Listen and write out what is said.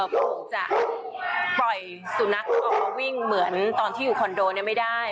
ผมจะปล่อยสุนัขออกมาวิ่งเหมือนตอนที่อยู่คอนโดเนี่ยไม่ได้